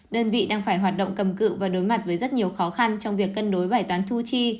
đơn vị đang phải hoạt động cầm cự và đối mặt với rất nhiều khó khăn trong việc cân đối bài toán thu chi